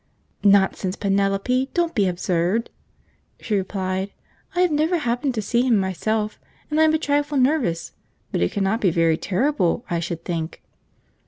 "Nonsense, Penelope, don't be absurd," she replied. "I have never happened to see him myself, and I am a trifle nervous, but it cannot be very terrible, I should think."